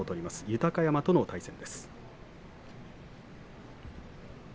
豊山との対戦です。